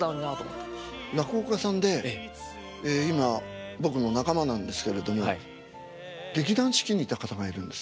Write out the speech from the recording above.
落語家さんで今僕の仲間なんですけれども劇団四季にいた方がいるんです。